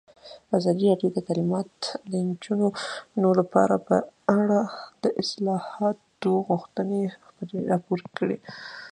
ازادي راډیو د تعلیمات د نجونو لپاره په اړه د اصلاحاتو غوښتنې راپور کړې.